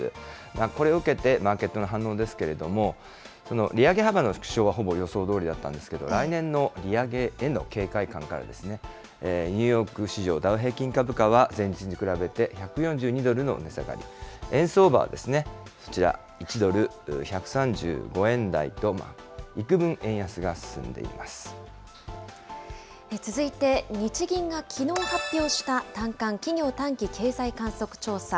これを受けて、マーケットの反応ですけれども、利上げ幅の縮小はほぼ予想どおりだったんですけど、来年の利上げへの警戒感から、ニューヨーク市場、ダウ平均株価は、前日に比べて１４２ドルの値下がり、円相場は、こちら、１ドル１３５円台と、続いて、日銀がきのう発表した短観・企業短期経済観測調査。